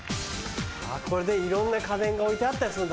これでいろんな家電が置いてあったりするんだな。